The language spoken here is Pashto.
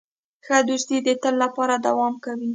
ښه دوستي د تل لپاره دوام کوي.